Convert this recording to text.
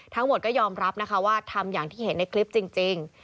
ทั้งหมดก็ยอมรับนะคะว่าทำอย่างที่เห็นในคลิปจริง